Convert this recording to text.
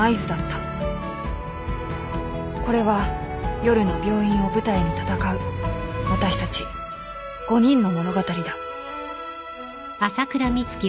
［これは夜の病院を舞台に戦う私たち５人の物語だ］